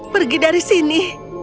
pergi dari sini